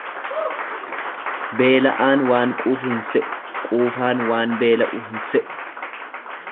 Beela'aan waan quufu hin se'u, quufaan waan beela'u hin se'u.